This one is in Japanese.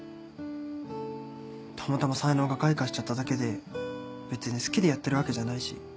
たまたま才能が開花しちゃっただけで別に好きでやってるわけじゃないし。